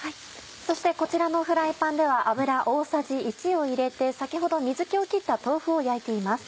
そしてこちらのフライパンでは油大さじ１を入れて先ほど水気を切った豆腐を焼いています。